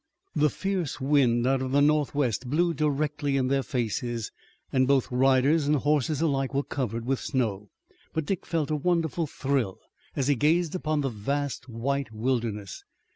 The fierce wind out of the northwest blew directly in their faces and both riders and horses alike were covered with snow. But Dick felt a wonderful thrill as he gazed upon the vast white wilderness.